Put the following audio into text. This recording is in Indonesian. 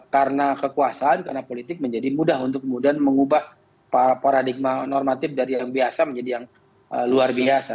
karena kekuasaan karena politik menjadi mudah untuk kemudian mengubah paradigma normatif dari yang biasa menjadi yang luar biasa